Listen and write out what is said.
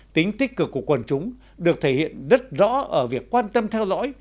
tính tích cực của quần chúng được thể hiện rất rõ ở việc quan tâm theo dõi